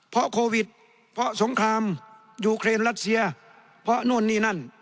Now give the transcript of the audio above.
เพราะโควิดเพราะสงครามยูเครนรัสเซียเพราะโน่นนี่นั่น